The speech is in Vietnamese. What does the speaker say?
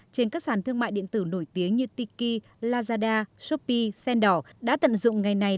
trên các sàn thương mại điện tử nổi tiếng như tiki lazada shopee sendor đã tận dụng ngày này